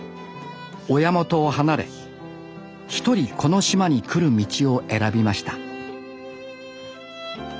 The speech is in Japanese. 親元を離れ１人この島に来る道を選びました